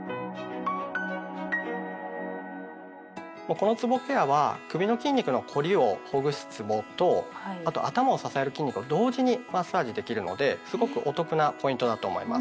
このつぼケアは首の筋肉の凝りをほぐすつぼとあと頭を支える筋肉を同時にマッサージできるのですごくお得なポイントだと思います。